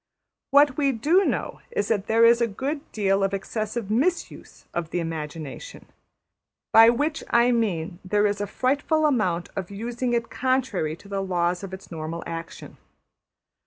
What we do know is that there is a good deal of excessive mis use of the imagination, by which I mean that there is a frightful amount of using it contrary to the laws of its normal action.